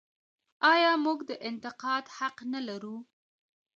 آیا موږ د انتقاد حق نلرو؟